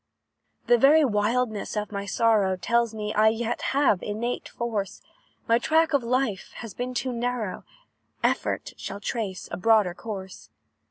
"The very wildness of my sorrow Tells me I yet have innate force; My track of life has been too narrow, Effort shall trace a broader course.